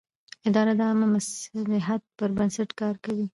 اداره د عامه مصلحت پر بنسټ کار کوي.